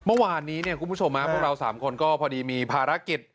เมื่อวานนี้เนี่ยคุณผู้ชมพวกเรา๓คนก็พอดีมีภารกิจ